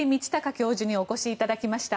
教授にお越しいただきました。